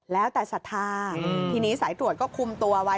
แล้วแต่ศรัทธาทีนี้สายตรวจก็คุมตัวไว้